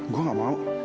gue gak mau